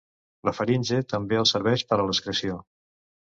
La faringe també els serveix per a l'excreció.